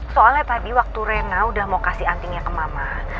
soalnya tadi waktu rena udah mau kasih antingnya ke mama